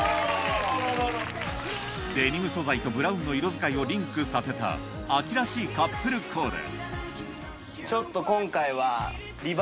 デニム素材とブラウンの色使いをリンクさせた秋らしいカップルコーデ